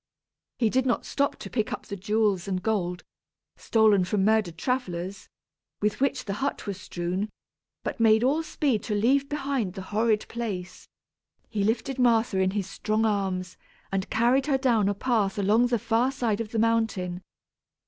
He did not stop to pick up the jewels and gold, stolen from murdered travellers, with which the hut was strewn, but made all speed to leave behind the horrid place. He lifted Martha in his strong arms and carried her down a path along the far side of the mountain.